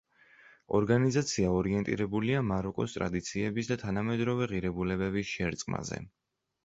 ორგანიზაცია ორიენტირებულია მაროკოს ტრადიციების და თანამედროვე ღირებულებების შერწყმაზე.